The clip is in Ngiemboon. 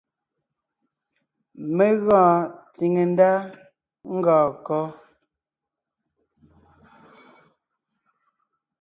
Mé gɔɔn tsìŋe ndá ngɔɔn kɔ́?